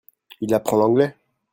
Il apprend l'anglais ?